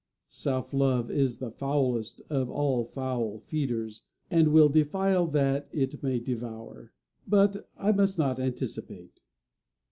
Self love is the foulest of all foul feeders, and will defile that it may devour. But I must not anticipate.